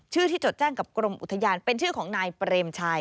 ชื่อที่จดแจ้งกับกรมอุทยานเป็นชื่อของนายเปรมชัย